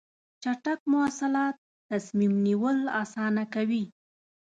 چټک مواصلات تصمیم نیول اسانه کوي.